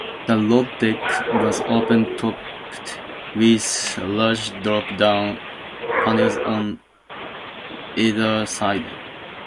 The load deck was open-topped with large drop down panels on either side.